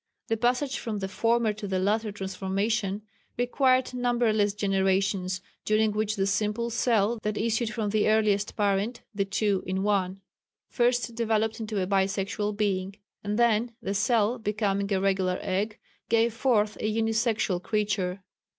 The passage from the former to the latter transformation required numberless generations, during which the simple cell that issued from the earliest parent (the two in one), first developed into a bisexual being; and then the cell, becoming a regular egg, gave forth a unisexual creature.